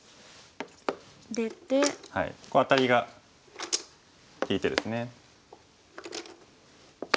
アタリが利いてですね。